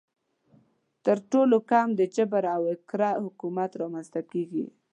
تر ټولو کم د جبر او اکراه حکومت رامنځته کیږي.